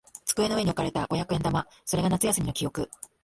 机の上に置かれた五百円玉。それが夏休みの記憶。